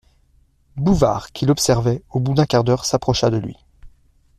Bouvard qui l'observait, au bout d'un quart d'heure s'approcha de lui.